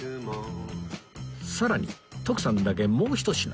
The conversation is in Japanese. さらに徳さんだけもうひと品